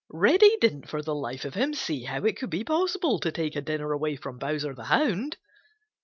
Reddy didn't for the life of him see how it could be possible to take a dinner away from Bowser the Hound.